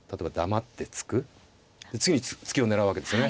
次に突きを狙うわけですよね。